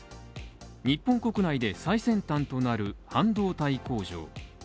日本国内で最先端となる半導体工場。